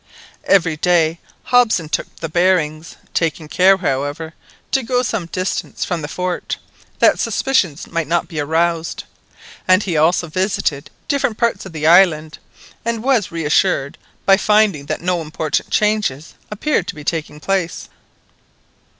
Every day Hobson took the bearings, taking care, however, to go some distance from the fort, that suspicions might not be aroused, and he also visited different parts of the island, and was reassured by finding that no important changes appeared to be taking place.